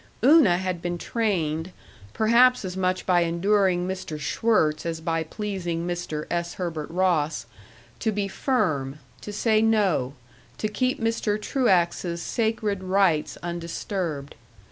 Una had been trained, perhaps as much by enduring Mr. Schwirtz as by pleasing Mr. S. Herbert Ross, to be firm, to say no, to keep Mr. Truax's sacred rites undisturbed.